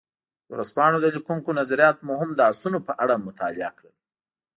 د ورځپاڼو د لیکونکو نظریات مو هم د اسونو په اړه مطالعه کړل.